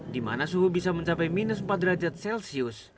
dimana suhu bisa mencapai minus empat derajat celcius